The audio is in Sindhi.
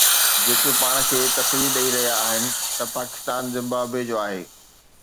جيڪي پاڻ کي تسلي ڏئي رهيا آهن ته پاڪستان زمبابوي جو آهي